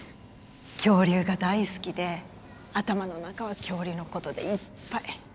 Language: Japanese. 恐竜が大好きで頭の中は恐竜のことでいっぱい。